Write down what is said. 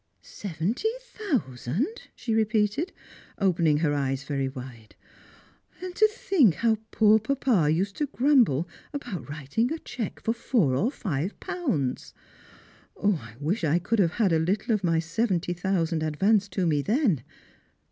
" Seventy thousand !" she repeated, opening her eyes very wide; "and to think how poor papa used to grumble about writing a cheque for four or five jDOunds. I wish I could have had a little of my seventy thousand advanced to me then.